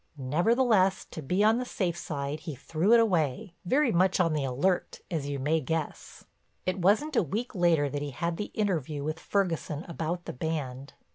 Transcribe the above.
Nevertheless, to be on the safe side, he threw it away, very much on the alert, as you may guess. It wasn't a week later that he had the interview with Ferguson about the band.